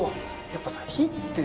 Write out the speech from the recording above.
やっぱさ。